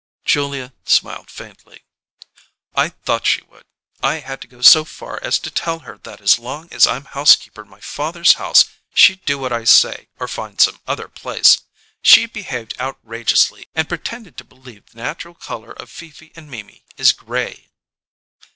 Julia smiled faintly. "I thought she would! I had to go so far as to tell her that as long as I'm housekeeper in my father's house she'd do what I say or find some other place. She behaved outrageously and pretended to believe the natural colour of Fifi and Mimi is gray!"